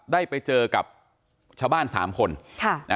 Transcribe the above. ได้ไปเจอกับชาวบ้าน๓คน